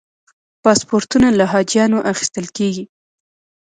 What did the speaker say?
پاسپورتونه له حاجیانو اخیستل کېږي.